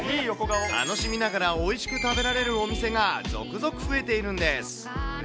楽しみながらおいしく食べられるお店が続々増えているんです。